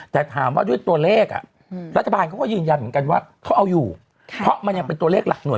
แต่ถามว่าด้วยตัวเลขรัฐบาลเขาก็ยืนยันเหมือนกันว่าเขาเอาอยู่เพราะมันยังเป็นตัวเลขหลักห่ว